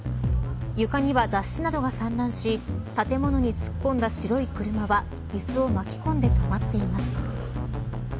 床には雑誌などが散乱し建物に突っ込んだ白い車は椅子を巻き込んで止まっています。